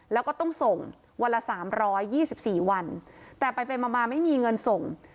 แล้วก็ต้องส่งวันละสามร้อยยี่สิบสี่วันแต่ไปไปมาไม่มีเงินส่ง